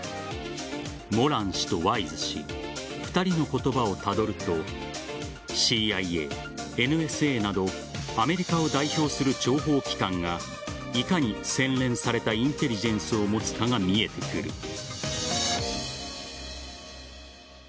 モラン氏とワイズ氏２人の言葉をたどるとＣＩＡ、ＮＳＡなどアメリカを代表する諜報機関がいかに洗練されたインテリジェンスを持つかが見えてくる。